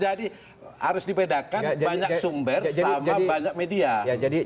jadi harus dibedakan banyak sumber sama banyak media